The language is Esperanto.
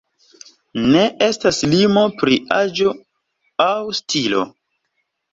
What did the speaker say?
Ne estas limo pri aĝo aŭ stilo.